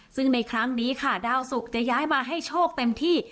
ซึ่งในครั้งนี้ค่ะดาวสุกจะย้ายมาให้โชคเต็มที่